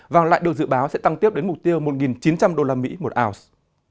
vàng lại được dự báo sẽ tăng tiếp đến mục tiêu một chín trăm linh usd một ounce